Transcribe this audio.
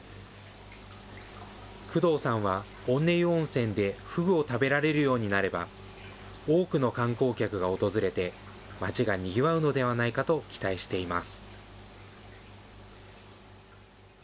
工藤さんは、温根湯温泉でフグを食べられるようになれば、多くの観光客が訪れて、町がにぎわうのではないかと期待しています。